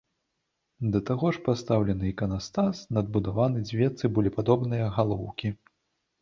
Да таго ж пастаўлены іканастас, надбудаваны дзве цыбулепадобныя галоўкі.